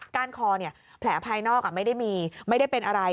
คอแผลภายนอกไม่ได้มีไม่ได้เป็นอะไร